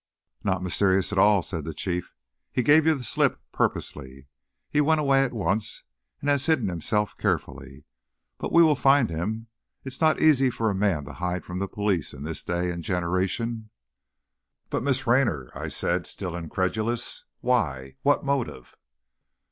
"Not mysterious at all," said the Chief. "He gave you the slip purposely. He went away at once, and has hidden himself carefully. But we will find him. It's not easy for a man to hide from the police in this day and generation!" "But, Miss Raynor!" I said, still incredulous. "Why? What motive?"